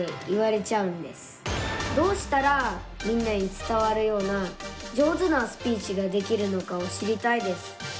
どうしたらみんなに伝わるような上手なスピーチができるのかを知りたいです。